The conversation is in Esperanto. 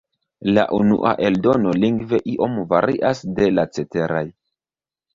La unua eldono lingve iom varias de la ceteraj.